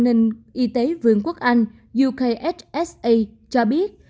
ninh y tế vương quốc anh ukhsa cho biết